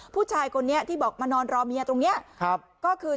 ผู้ชายคนนี้ที่บอกมานอนรอเมียตรงนี้ก็คือ